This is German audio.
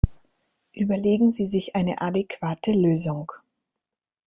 Überlegen Sie sich eine adäquate Lösung!